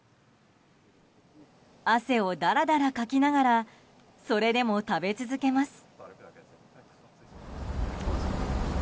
汗をだらだらかきながらそれでも食べ続けます。